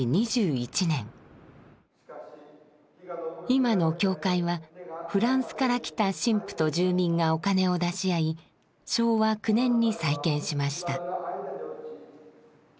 今の教会はフランスから来た神父と住民がお金を出し合い昭和９年に再建しました。